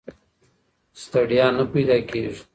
ستړیا نه پیدا کېږي.